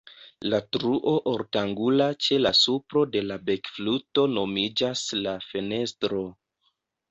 La truo ortangula ĉe la supro de la bekfluto nomiĝas la "fenestro".